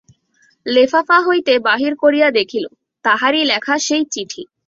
লেফাফা হইতে বাহির করিয়া দেখিল, তাহারই লেখা সেই চিঠি।